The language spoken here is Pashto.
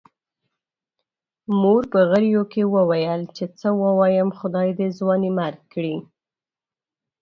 مور په غريو کې وويل چې څه ووايم، خدای دې ځوانيمرګ کړي.